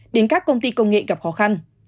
đến các công ty công nghệ gặp khó khăn